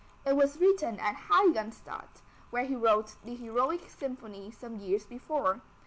It was written at Heiligenstadt, where he wrote the Heroic Symphony some years before.